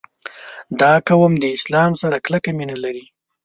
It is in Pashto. • دا قوم د اسلام سره کلکه مینه لري.